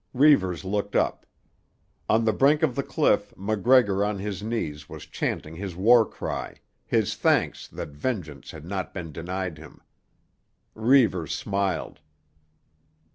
Reivers looked up. On the brink of the cliff MacGregor on his knees was chanting his war cry, his thanks that vengeance had not been denied him. Reivers smiled.